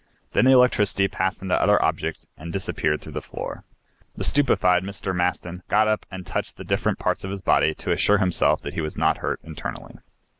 Then the electricity passed into other objects and disappeared through the floor. The stupefied Mr. Maston got up and touched the different parts of his body to assure himself that he was not hurt internally.